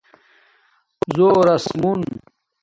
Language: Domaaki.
زݸرس مون